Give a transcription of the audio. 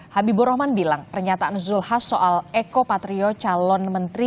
habibur rahman bilang pernyataan zulkifli hasan soal eko patrio calon menteri